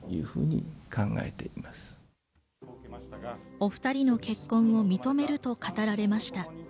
お２人の結婚を認めると語られました。